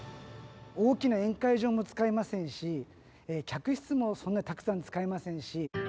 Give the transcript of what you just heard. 大きな宴会場も使いませんし、客室もそんなにたくさん使いませんし。